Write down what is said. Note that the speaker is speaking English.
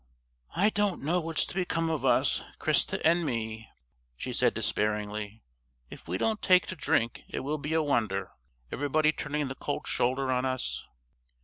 "I don't know what's to become of us, Christa and me," she said despairingly; "if we don't take to drink it will be a wonder, everybody turning the cold shoulder on us."